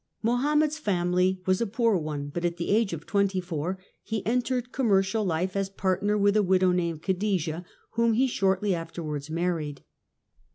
Mohammed's family was a poor one, but at the age of twenty four he entered commercial life as partner with a widow named Khadija, whom he shortly after wards married.